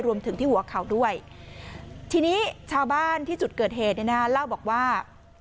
รวมถึงที่หัวเข่าด้วยทีนี้ชาวบ้านที่จุดเกิดเหตุเนี่ยนะเล่าบอกว่า